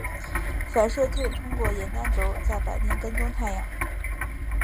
反射镜通过沿单轴在白天跟踪太阳。